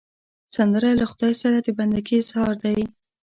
سندره له خدای سره د بندګي اظهار دی